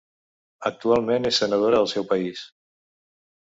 Actualment és senadora al seu país.